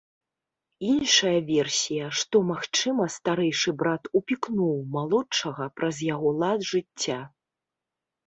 Іншая версія, што, магчыма, старэйшы брат упікнуў малодшага праз яго лад жыцця.